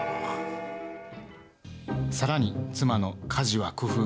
さらに、妻の家事は工夫！